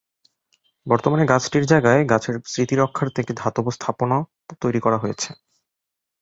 বর্তমানে গাছটির জায়গায় গাছের স্মৃতি রক্ষার্থে একটি ধাতব স্থাপনা তৈরি করা হয়েছে।